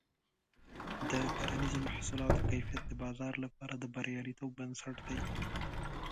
د کرنیزو محصولاتو کیفیت د بازار لپاره د بریالیتوب بنسټ دی.